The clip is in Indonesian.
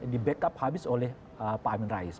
di backup habis oleh pak amin rais